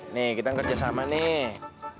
nih kita ngekerja sama nih